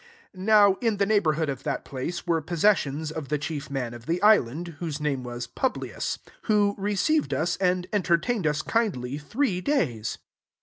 7 Now in the neighbourhood of that place, were possessions of tlie chief man of the island* whose name was Publius ; who received us, and entertained us kindly three days.